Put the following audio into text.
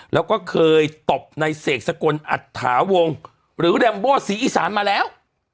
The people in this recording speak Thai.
แล้วก็เคยตบในเสกสกลอัตถาวงหรือแรมโบสีอีสานมาแล้ว